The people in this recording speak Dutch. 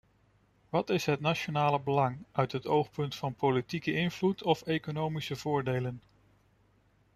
Wat is het nationale belang, uit het oogpunt van politieke invloed of economische voordelen?